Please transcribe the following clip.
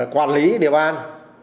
quản lý địa bàn